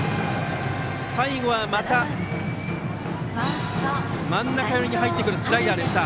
最後は、また真ん中寄りに入ってくるスライダーでした。